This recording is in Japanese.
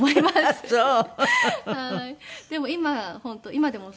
あっそう！